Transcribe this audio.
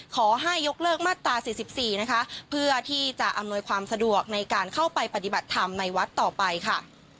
ขอให้ยกเลิกมาตรา๔๔นะคะเพื่อที่จะอำนวยความสะดวกในการเข้าไปปฏิบัติธรรมในวัดต่อไปค่ะ